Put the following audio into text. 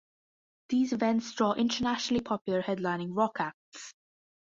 These events draw internationally popular headlining rock acts.